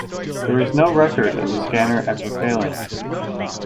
There is no record of the scanner ever failing.